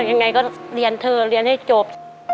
ยังไงก็เรียนเธอเรียนให้จบ